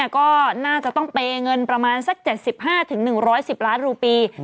ก็น่าจะต้องเปย์เงินประมาณสัก๗๕๑๑๐ล้านรูปี